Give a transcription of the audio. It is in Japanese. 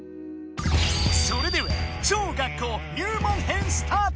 それでは超学校入門編スタート！